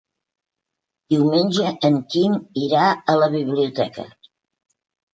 Diumenge en Quim irà a la biblioteca.